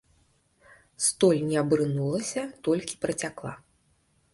Столь не абрынулася, толькі працякла.